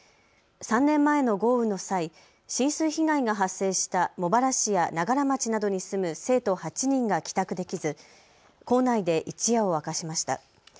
３年前の豪雨の際、浸水被害が発生した茂原市や長柄町などに住む生徒８人が帰宅できず校内で一夜を明かしました。